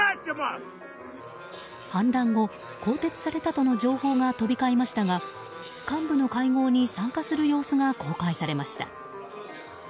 反乱後、更迭されたとの情報が飛び交いましたが幹部の会合に参加する様子が公開されました。